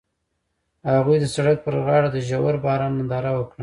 هغوی د سړک پر غاړه د ژور باران ننداره وکړه.